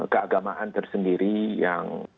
keagamaan tersendiri yang